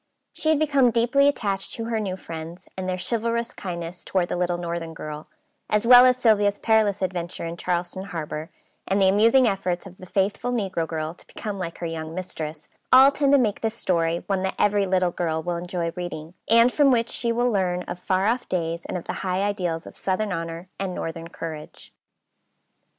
She had become deeply attached to her new friends, and their chivalrous kindness toward the little northern girl, as well as Sylvia's perilous adventure in Charleston Harbor, and the amusing efforts of the faithful negro girl to become like her young mistress, all tend to make this story one that every little girl will enjoy reading, and from which she will learn of far off days and of the high ideals of southern honor and northern courage.